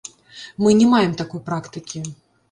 Мы не маем такой практыкі.